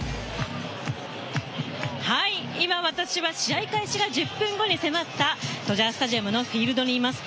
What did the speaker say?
今、私は試合開始が１０分後に迫ったドジャースタジアムのフィールドにいます。